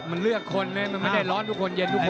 มันเลือกคนนะมันไม่ได้ร้อนทุกคนเย็นทุกคน